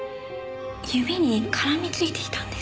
指に絡みついていたんです。